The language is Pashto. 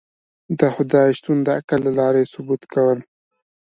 د خدای شتون د عقل له لاری ثبوت کول